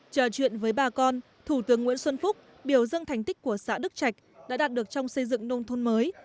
trò chuyện với bà con thủ tướng nguyễn xuân phúc biểu dương thành tích của xã đức trạch đã đạt được trong xây dựng nông thôn mới